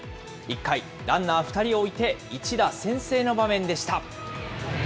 １回、ランナー２人を置いて一打先制の場面でした。